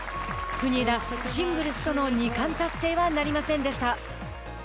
国枝、シングルスとの二冠達成はなりませんでした。